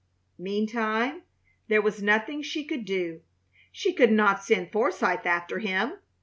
Meantime there was nothing she could do. She could not send Forsythe after him.